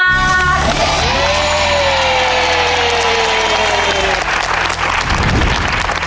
ขอบคุณครับ